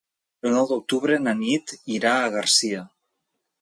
El nou d'octubre na Nit irà a Garcia.